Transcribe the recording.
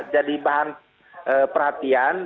jadi bahan perhatian